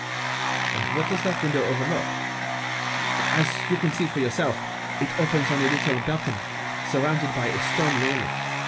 "And what does that window overlook?" "As you can see for yourself, it opens on a little balcony, surrounded by a stone railing.